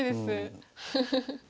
フフフフ。